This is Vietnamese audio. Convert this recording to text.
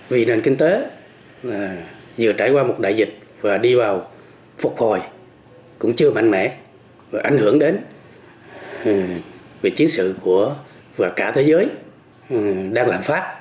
vì nền kinh tế vừa trải qua một đại dịch và đi vào phục hồi cũng chưa mạnh mẽ và ảnh hưởng đến về chiến sự và cả thế giới đang lạm phát